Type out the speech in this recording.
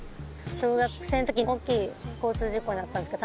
小学生のときおっきい交通事故に遭ったんですけど。